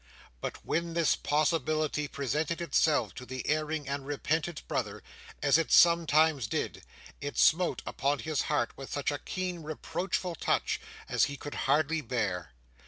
But when this possibility presented itself to the erring and repentant brother, as it sometimes did, it smote upon his heart with such a keen, reproachful touch as he could hardly bear.